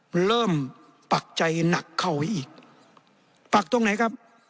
มันเริ่มปักใจหนักเข้าไปอีกปักตรงไหนครับ